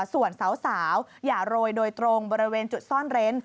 ส่วนสาวอย่าโรยโดยตรงบริเวณจุดซ่อนเร้น